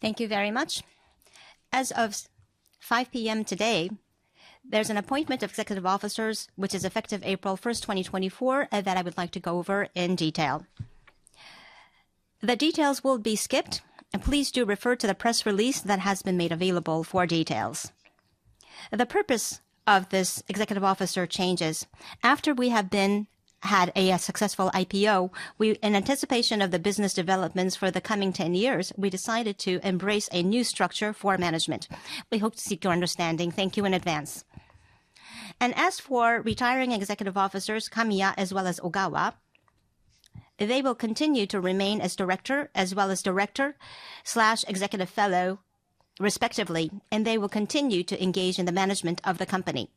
Thank you very much. As of 5:00 P.M. today, there's an Appointment of Executive Officers, which is effective April 1, 2024, that I would like to go over in detail. The details will be skipped, and please do refer to the press release that has been made available for details. The purpose of this executive officer changes. After we have been had a successful IPO, in anticipation of the business developments for the coming 10 years, we decided to embrace a new structure for management. We hope to seek your understanding. Thank you in advance. And as for retiring executive officers, Kamiya as well as Ogawa, they will continue to remain as Director as well as Director/Executive fellow, respectively, and they will continue to engage in the management of the company.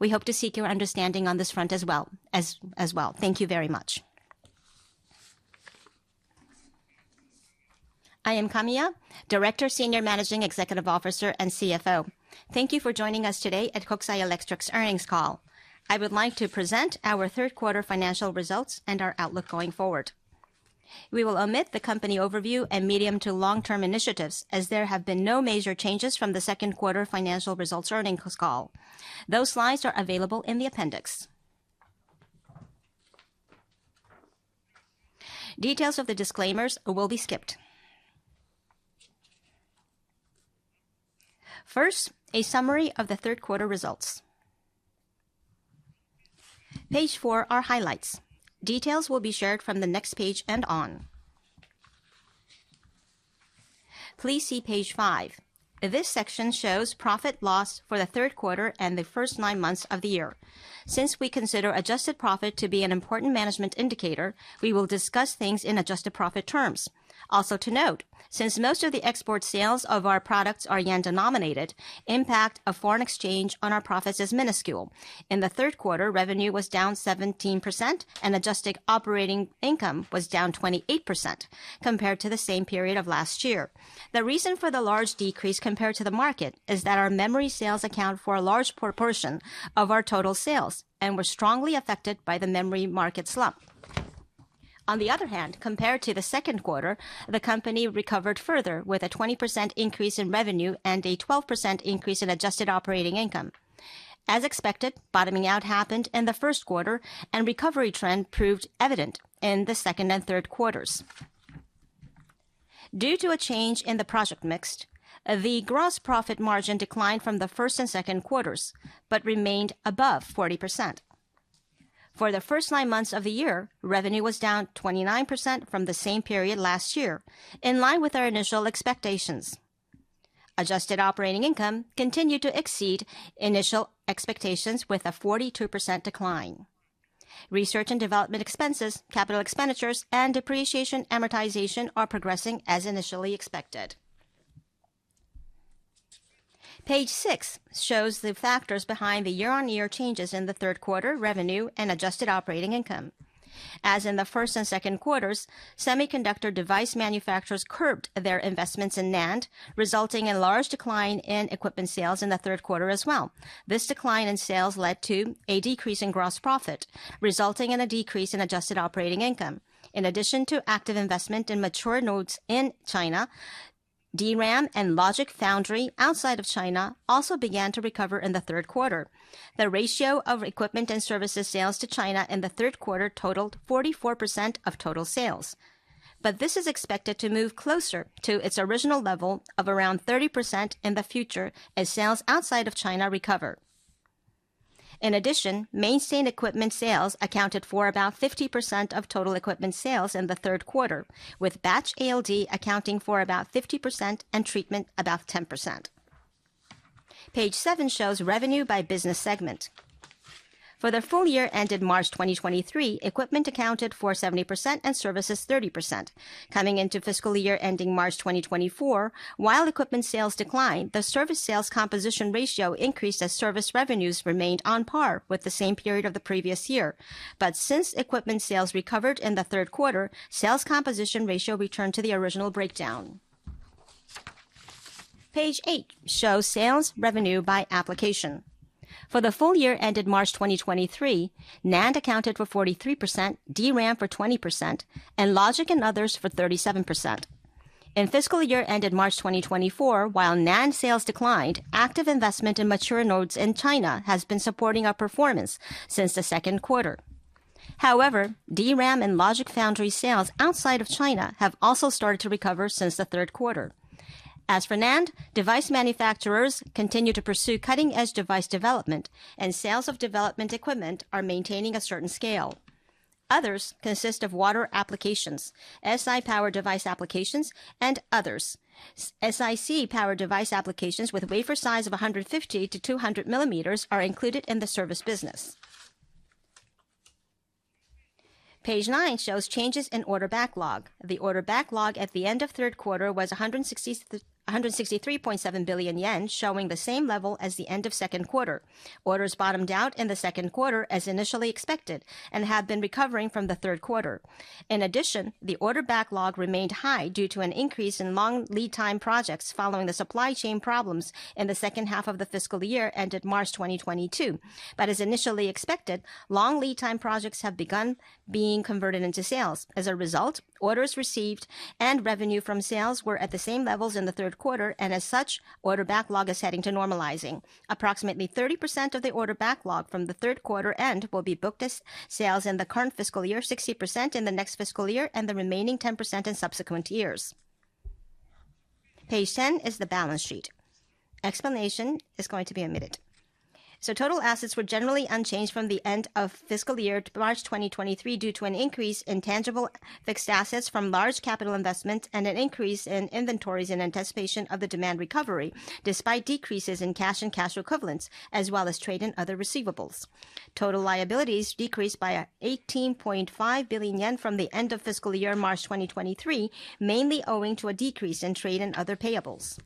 We hope to seek your understanding on this front as well as well. Thank you very much. I am Kamiya, Director, Senior Managing Executive Officer, and CFO. Thank you for joining us today at Kokusai Electric's earnings call. I would like to present our third quarter financial results and our outlook going forward. We will omit the company overview and medium to long-term initiatives, as there have been no major changes from the second quarter financial results earnings call. Those slides are available in the appendix. Details of the disclaimers will be skipped. First, a summary of the third quarter results. Page four are highlights. Details will be shared from the next page and on. Please see page five. This section shows profit/loss for the third quarter and the first nine months of the year. Since we consider adjusted profit to be an important management indicator, we will discuss things in adjusted profit terms. Also, to note, since most of the export sales of our products are yen-denominated, the impact of foreign exchange on our profits is minuscule. In the third quarter, revenue was down 17%, and adjusted operating income was down 28% compared to the same period of last year. The reason for the large decrease compared to the market is that our memory sales account for a large proportion of our total sales, and we're strongly affected by the memory market slump. On the other hand, compared to the second quarter, the company recovered further with a 20% increase in revenue and a 12% increase in adjusted operating income. As expected, bottoming out happened in the first quarter, and the recovery trend proved evident in the second and third quarters. Due to a change in the project mix, the gross profit margin declined from the first and second quarters but remained above 40%. For the first nine months of the year, revenue was down 29% from the same period last year, in line with our initial expectations. Adjusted operating income continued to exceed initial expectations with a 42% decline. Research and development expenses, capital expenditures, and depreciation amortization are progressing as initially expected. Page six shows the factors behind the year-on-year changes in the third quarter revenue and adjusted operating income. As in the first and second quarters, semiconductor device manufacturers curbed their investments in NAND, resulting in a large decline in equipment sales in the third quarter as well. This decline in sales led to a decrease in gross profit, resulting in a decrease in adjusted operating income. In addition to active investment in mature nodes in China, DRAM and Logic/Foundry outside of China also began to recover in the third quarter. The ratio of equipment and services sales to China in the third quarter totaled 44% of total sales. But this is expected to move closer to its original level of around 30% in the future as sales outside of China recover. In addition, maintained equipment sales accounted for about 50% of total equipment sales in the third quarter, with batch ALD accounting for about 50% and Treatment about 10%. Page seven shows revenue by business segment. For the full year ended March 2023, equipment accounted for 70% and services 30%. Coming into fiscal year ending March 2024, while equipment sales declined, the service sales composition ratio increased as service revenues remained on par with the same period of the previous year. But since equipment sales recovered in the third quarter, the sales composition ratio returned to the original breakdown. Page eight shows sales revenue by application. For the full year ended March 2023, NAND accounted for 43%, DRAM for 20%, and logic and others for 37%. In fiscal year ended March 2024, while NAND sales declined, active investment in mature nodes in China has been supporting our performance since the second quarter. However, DRAM and Logic/Foundry sales outside of China have also started to recover since the third quarter. As for NAND, device manufacturers continue to pursue cutting-edge device development, and sales of development equipment are maintaining a certain scale. Others consist of wafer applications, SiC power device applications, and others. SiC power device applications with wafer size of 150 mm-200 mm are included in the service business. Page nine shows changes in order backlog. The order backlog at the end of third quarter was 163.7 billion yen, showing the same level as the end of second quarter. Orders bottomed out in the second quarter as initially expected and have been recovering from the third quarter. In addition, the order backlog remained high due to an increase in long lead time projects following the supply chain problems in the second half of the fiscal year ended March 2022. But as initially expected, long lead time projects have begun being converted into sales. As a result, orders received and revenue from sales were at the same levels in the third quarter, and as such, the order backlog is heading to normalizing. Approximately 30% of the order backlog from the third quarter end will be booked as sales in the current fiscal year, 60% in the next fiscal year, and the remaining 10% in subsequent years. Page 10 is the balance sheet. Explanation is going to be omitted. Total assets were generally unchanged from the end of fiscal year to March 2023 due to an increase in tangible fixed assets from large capital investments and an increase in inventories in anticipation of the demand recovery despite decreases in cash and cash equivalents, as well as trade and other receivables. Total liabilities decreased by 18.5 billion yen from the end of fiscal year March 2023, mainly owing to a decrease in trade and other payables.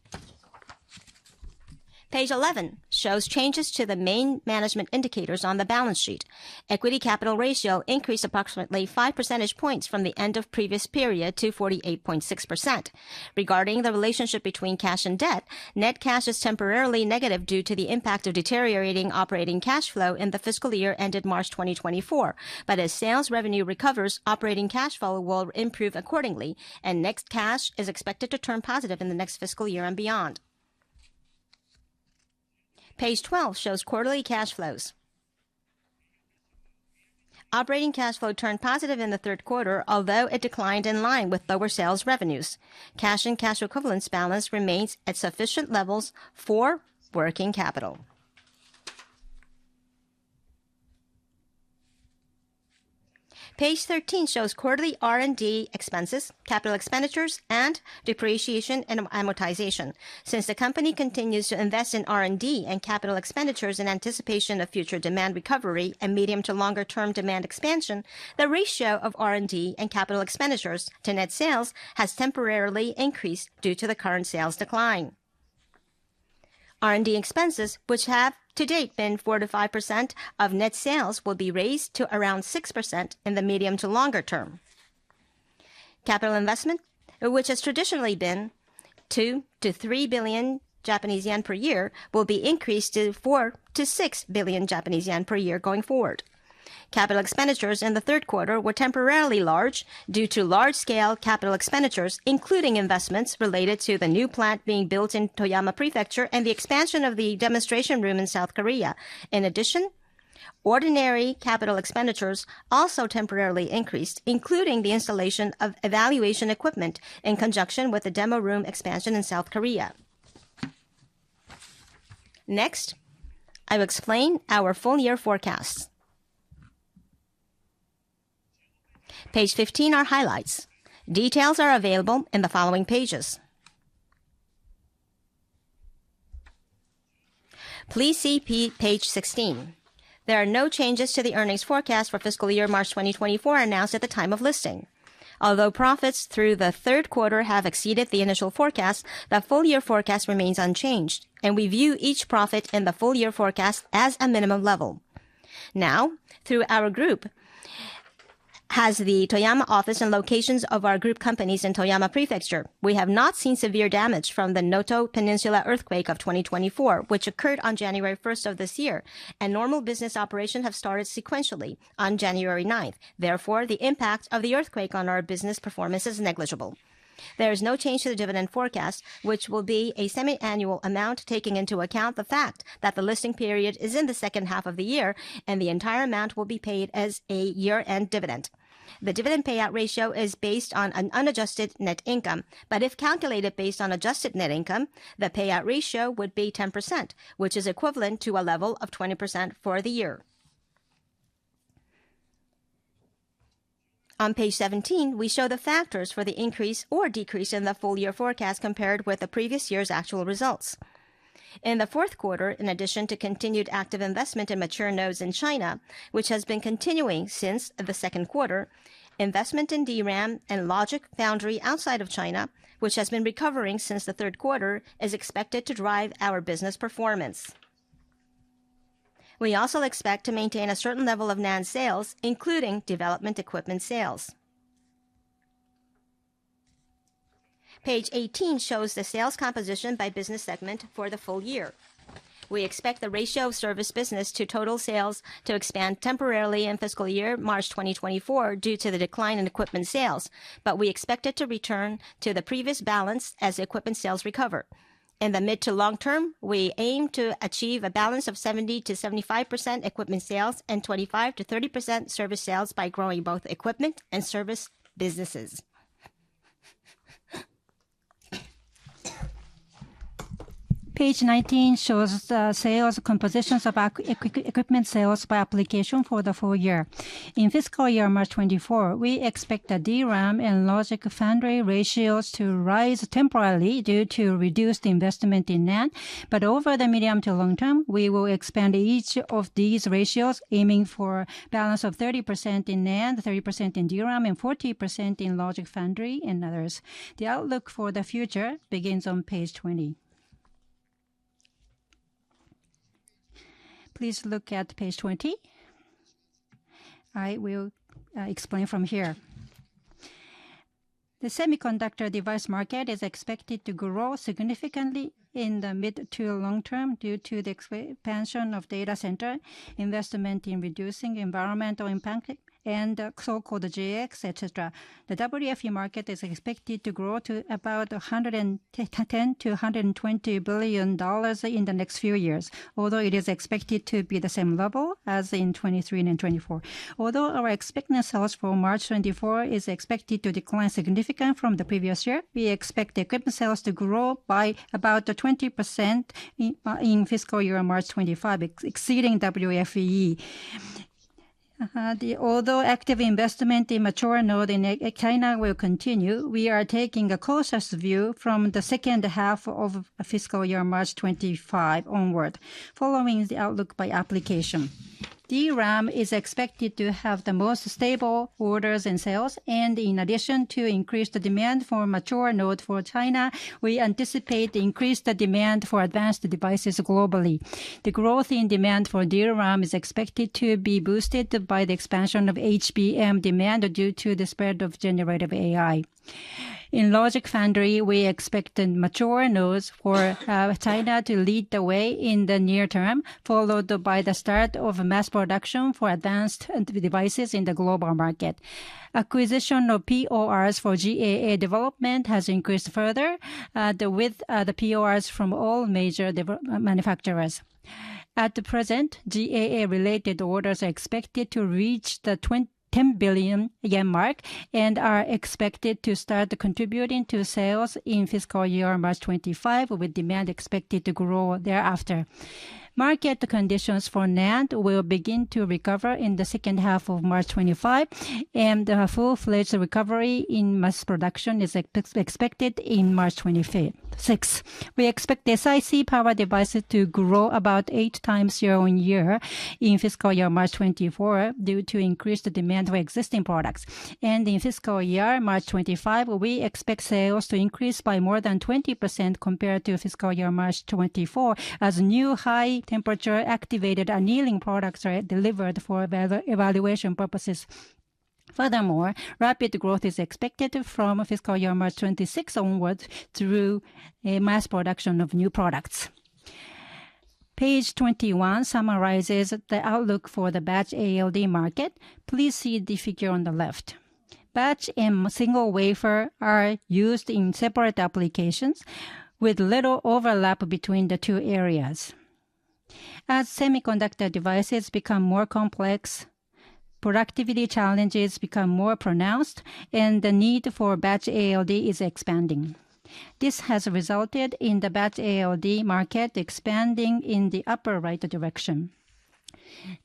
Page 11 shows changes to the main management indicators on the balance sheet. Equity capital ratio increased approximately 5 percentage points from the end of the previous period to 48.6%. Regarding the relationship between cash and debt, net cash is temporarily negative due to the impact of deteriorating operating cash flow in the fiscal year ended March 2024. But as sales revenue recovers, operating cash flow will improve accordingly, and net cash is expected to turn positive in the next fiscal year and beyond. Page 12 shows quarterly cash flows. Operating cash flow turned positive in the third quarter, although it declined in line with lower sales revenues. Cash and cash equivalents balance remains at sufficient levels for working capital. Page 13 shows quarterly R&D expenses, capital expenditures, and depreciation and amortization. Since the company continues to invest in R&D and capital expenditures in anticipation of future demand recovery and medium to longer-term demand expansion, the ratio of R&D and capital expenditures to net sales has temporarily increased due to the current sales decline. R&D expenses, which have to date been 4%-5% of net sales, will be raised to around 6% in the medium to longer term. Capital investment, which has traditionally been 2-3 billion Japanese yen per year, will be increased to 4-6 billion Japanese yen per year going forward. Capital expenditures in the third quarter were temporarily large due to large-scale capital expenditures, including investments related to the new plant being built in Toyama Prefecture and the expansion of the demonstration room in South Korea. In addition, ordinary capital expenditures also temporarily increased, including the installation of evaluation equipment in conjunction with the demo room expansion in South Korea. Next, I will explain our full year forecasts. Page 15 are highlights. Details are available in the following pages. Please see page 16. There are no changes to the earnings forecast for fiscal year March 2024 announced at the time of listing. Although profits through the third quarter have exceeded the initial forecast, the full year forecast remains unchanged, and we view each profit in the full year forecast as a minimum level. Now, through our group, as the Toyama office and locations of our group companies in Toyama Prefecture, we have not seen severe damage from the Noto Peninsula earthquake of 2024, which occurred on January 1 of this year, and normal business operations have started sequentially on January 9. Therefore, the impact of the earthquake on our business performance is negligible. There is no change to the dividend forecast, which will be a semi-annual amount taking into account the fact that the listing period is in the second half of the year, and the entire amount will be paid as a year-end dividend. The dividend payout ratio is based on an unadjusted net income, but if calculated based on adjusted net income, the payout ratio would be 10%, which is equivalent to a level of 20% for the year. On page 17, we show the factors for the increase or decrease in the full year forecast compared with the previous year's actual results. In the fourth quarter, in addition to continued active investment in mature nodes in China, which has been continuing since the second quarter, investment in DRAM and Logic/Foundry outside of China, which has been recovering since the third quarter, is expected to drive our business performance. We also expect to maintain a certain level of NAND sales, including development equipment sales. Page 18 shows the sales composition by business segment for the full year. We expect the ratio of service business to total sales to expand temporarily in fiscal year March 2024 due to the decline in equipment sales, but we expect it to return to the previous balance as equipment sales recover. In the mid to long term, we aim to achieve a balance of 70%-75% equipment sales and 25%-30% service sales by growing both equipment and service businesses. Page 19 shows the sales compositions of equipment sales by application for the full year. In fiscal year March 2024, we expect the DRAM and Logic/Foundry ratios to rise temporarily due to reduced investment in NAND. But over the medium to long term, we will expand each of these ratios, aiming for a balance of 30% in NAND, 30% in DRAM, and 40% in Logic/Foundry and others. The outlook for the future begins on page 20. Please look at page 20. I will explain from here. The semiconductor device market is expected to grow significantly in the mid to long term due to the expansion of data center investment in reducing environmental impact and so-called GX, et cetera. The WFE market is expected to grow to about $110 billion-$120 billion in the next few years, although it is expected to be the same level as in 2023 and 2024. Although our expected sales for March 2024 is expected to decline significantly from the previous year, we expect equipment sales to grow by about 20% in fiscal year March 2025, exceeding WFE. Although active investment in mature nodes in China will continue, we are taking a cautious view from the second half of fiscal year March 2025 onward, following the outlook by application. DRAM is expected to have the most stable orders and sales. And in addition to increased demand for mature nodes for China, we anticipate increased demand for advanced devices globally. The growth in demand for DRAM is expected to be boosted by the expansion of HBM demand due to the spread of generative AI. In Logic/Foundry, we expect mature nodes for China to lead the way in the near term, followed by the start of mass production for advanced devices in the global market. Acquisition of PORs for GAA development has increased further with the PORs from all major manufacturers. At the present, GAA-related orders are expected to reach the 10 billion yen mark and are expected to start contributing to sales in fiscal year March 2025, with demand expected to grow thereafter. Market conditions for NAND will begin to recover in the second half of March 2025, and a full-fledged recovery in mass production is expected in March 2025. Six, we expect SiC power devices to grow about 8x year-on-year in fiscal year March 2024 due to increased demand for existing products. In fiscal year March 2025, we expect sales to increase by more than 20% compared to fiscal year March 2024 as new high-temperature activated annealing products are delivered for evaluation purposes. Furthermore, rapid growth is expected from fiscal year March 2026 onward through mass production of new products. Page 21 summarizes the outlook for the batch ALD market. Please see the figure on the left. Batch and single wafer are used in separate applications with little overlap between the two areas. As semiconductor devices become more complex, productivity challenges become more pronounced, and the need for batch ALD is expanding. This has resulted in the batch ALD market expanding in the upper right direction.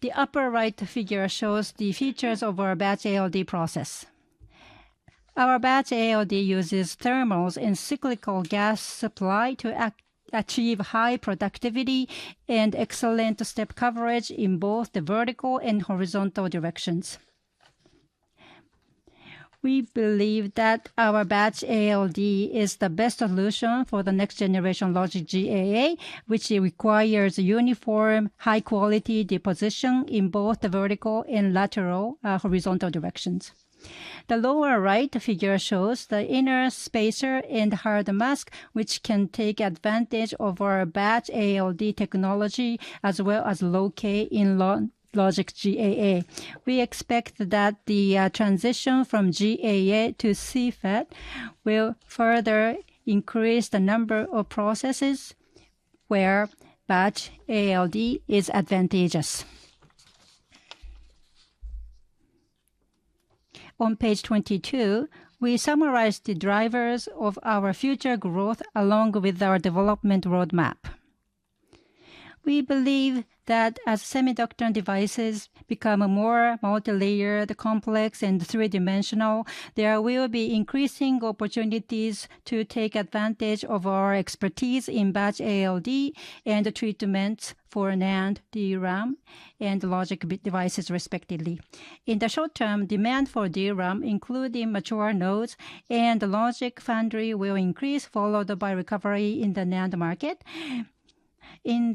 The upper right figure shows the features of our batch ALD process. Our batch ALD uses thermals and cyclical gas supply to achieve high productivity and excellent step coverage in both the vertical and horizontal directions. We believe that our batch ALD is the best solution for the next-generation logic GAA, which requires uniform high-quality deposition in both the vertical and lateral horizontal directions. The lower right figure shows the inner spacer and hard mask, which can take advantage of our batch ALD technology as well as locate in logic GAA. We expect that the transition from GAA to CFET will further increase the number of processes where batch ALD is advantageous. On page 22, we summarize the drivers of our future growth along with our development roadmap. We believe that as semiconductor devices become more multilayered, complex, and three-dimensional, there will be increasing opportunities to take advantage of our expertise in batch ALD and treatments for NAND, DRAM, and logic devices, respectively. In the short term, demand for DRAM, including mature nodes and Logic/Foundry, will increase, followed by recovery in the NAND market. In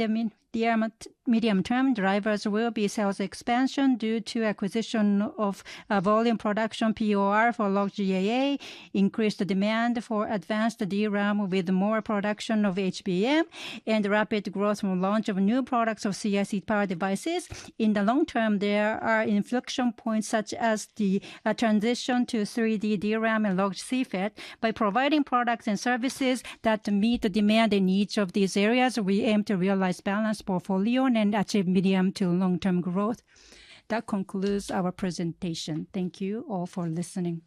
the medium term, drivers will be sales expansion due to acquisition of volume production POR for logic GAA, increased demand for advanced DRAM with more production of HBM, and rapid growth from launch of new products of SiC power devices. In the long term, there are inflection points such as the transition to 3D DRAM and Logic CFET. By providing products and services that meet the demand in each of these areas, we aim to realize balanced portfolio and achieve medium to long-term growth. That concludes our presentation. Thank you all for listening.